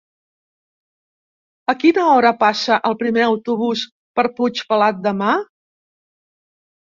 A quina hora passa el primer autobús per Puigpelat demà?